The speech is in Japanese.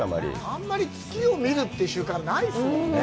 あんまり月を見るという習慣はないですよね。